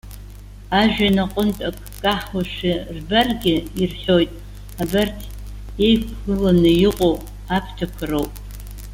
Ажәҩан аҟынтә акы каҳауашәа рбаргьы ирҳәоит. Абарҭ иеиқәыланы иҟоу аԥҭақәа роуп.